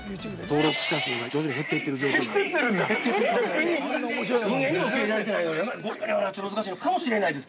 登録者数が徐々に減っていってる状況なんで。